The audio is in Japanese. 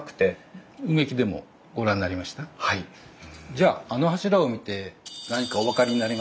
じゃああの柱を見て何かお分かりになりませんか？